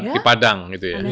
di padang gitu ya